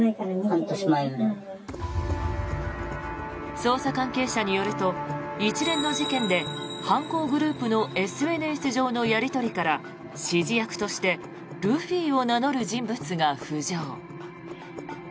捜査関係者によると一連の事件で犯行グループのＳＮＳ上のやり取りから指示役としてルフィを名乗る人物が浮上。